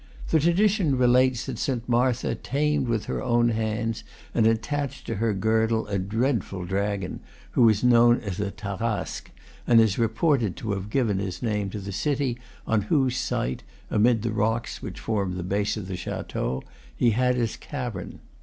The tradition relates that Saint Martha tamed with her own hands, and attached to her girdle, a dreadful dragon, who was known as the Tarasque, and is reported to have given his name to the city on whose site (amid the rocks which form the base of the chateau) he had his cavern.